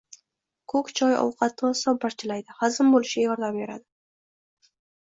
Ko‘k choy ovqatni oson parchalaydi, hazm bo‘lishiga yordam beradi.